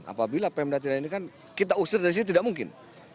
apabila pemda tidak ini kan kita usir dari sini tidak mungkin